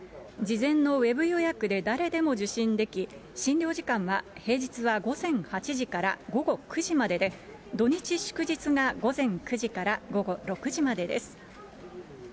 事前のウェブ予約で誰でも受診でき、診療時間は平日は午前８時から午後９時までで、土日祝日が午前９時から午後６時までです。